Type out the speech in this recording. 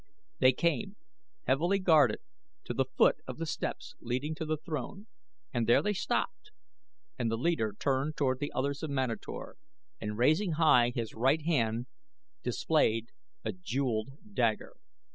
They came, heavily guarded, to the foot of the steps leading to the throne and there they stopped and the leader turned toward the others of Manator and raising high his right hand displayed a jeweled dagger.